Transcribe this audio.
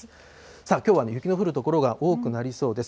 さあ、きょうは雪の降る所が多くなりそうです。